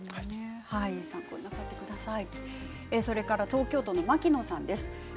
参考になさってください。